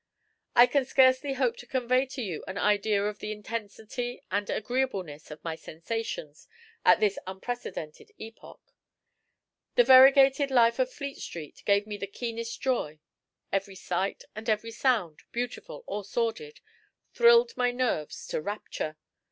I can scarcely hope to convey to you an idea of the intensity and agreeableness of my sensations at this unprecedented epoch. The variegated life of Fleet Street gave me the keenest joy: every sight and every sound beautiful or sordid thrilled my nerves to rapture.